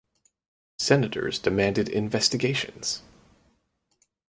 Senators demanded investigations.